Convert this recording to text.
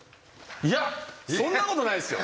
いやそんなことないっすよ。